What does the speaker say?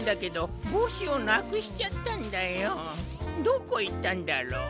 どこいったんだろう？